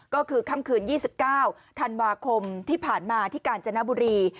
ก็คือค่ำคืน๒๙ธันวาคมที่ผ่านมาที่กาญจนบุรี